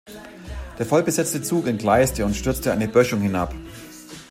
Der vollbesetzte Zug entgleiste und stürzte eine Böschung hinab.